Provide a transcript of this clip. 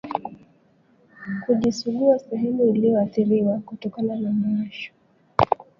kujisugua sehemu iliyoathiriwa kutokana na mwasho